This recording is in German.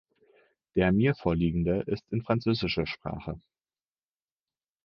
Der mir vorliegende ist in französischer Sprache.